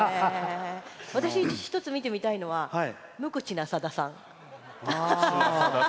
私、一つ見てみたいのは無口なさださん。